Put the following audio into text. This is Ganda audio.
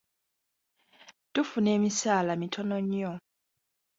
Tufuna emisaala mitono nnyo.